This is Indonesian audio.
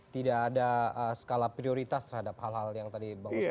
tidak ada skala prioritas terhadap hal hal yang tadi bang ustaz sebutkan